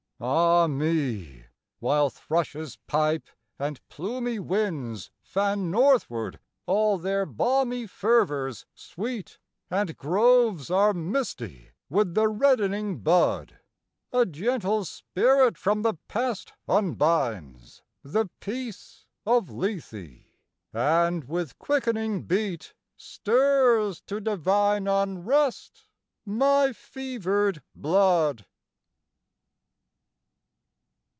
Ah me! while thrushes pipe and plumy winds Fan northward all their balmy fervors sweet, And groves are misty with the reddening bud, A gentle spirit from the past unbinds The peace of Lethe, and with quickening beat Stirs to divine unrest my fevered blood.